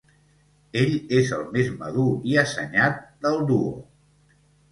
Ell és el més madur i assenyat del duo.